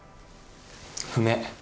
不明。